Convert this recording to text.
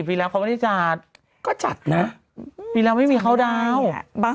พี่แล้วความว่านี่จัดก็จัดนะอืมปีแล้วไม่มีเข้าดาวน์บาง